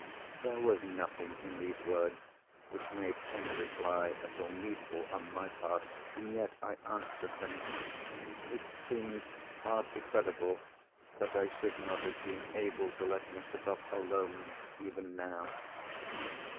There was nothing in these words which made any reply at all needful, on my part—and yet, I answered them! It seems hardly credible that I should not have been able to let Mr. Bruff alone, even now.